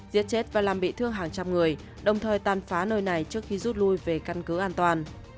giết chết và làm bị thương hàng trăm người đồng thời tàn phá nơi này trước khi rút lui về căn cứ an toàn